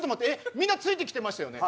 みんなついてきてましたよね。